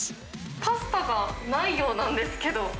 パスタがないようなんですけ